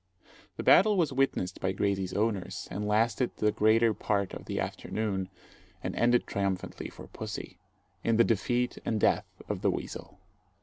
The battle was witnessed by Graysie's owners, and lasted the greater part of the afternoon, and ended triumphantly for pussy, in the defeat and death of the weasel.